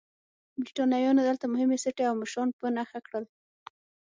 برېټانویانو دلته مهمې سټې او مشران په نښه کړل.